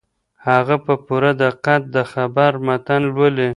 هغه په پوره دقت د خبر متن لولي.